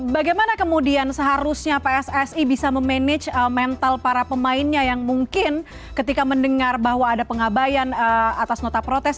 bagaimana kemudian seharusnya pssi bisa memanage mental para pemainnya yang mungkin ketika mendengar bahwa ada pengabayan atas nota protes